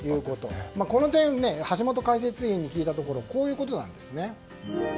この点、橋本解説委員に聞いたところこういうことなんですね。